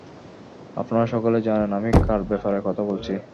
আপনারা সকলেই জানেন আমি কার ব্যাপারে কথা বলছি।